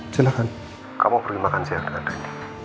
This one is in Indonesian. silahkan kamu pergi makan siang dengan rendy